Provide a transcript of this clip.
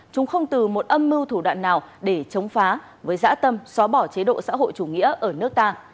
chúng không từ một âm mưu thủ đoạn nào để chống phá với giã tâm xóa bỏ chế độ xã hội chủ nghĩa ở nước ta